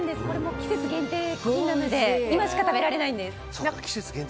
これも季節限定品なので今しか食べられないんです。